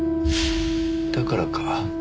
だからか。